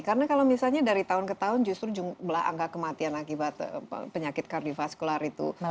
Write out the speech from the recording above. karena kalau misalnya dari tahun ke tahun justru jumlah angka kematian akibat penyakit kardiovaskular itu meningkat